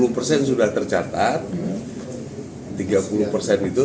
lima puluh persen sudah tercatat tiga puluh persen itu